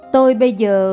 tôi bây giờ